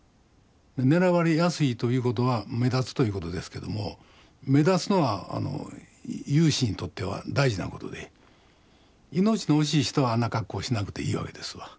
狙われやすいということは目立つということですけども目立つのは勇士にとっては大事なことで命の惜しい人はあんな格好しなくていいわけですわ。